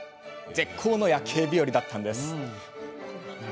絶好の夜景日和だったんです。